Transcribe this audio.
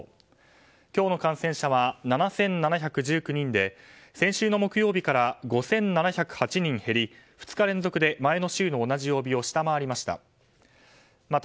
今日の感染者は７７１９人で先週の木曜日から５７０８人減り２日連続で前の週の同じ曜日を下回りました。